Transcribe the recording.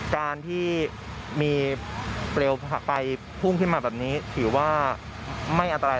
การที่มีเปลวหักไปพุ่งขึ้นมาแบบนี้ถือว่าไม่อันตราย